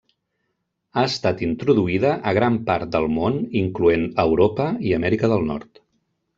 Ha estat introduïda a gran part del món incloent Europa i Amèrica del Nord.